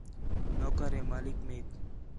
نوکر ہے مالک میک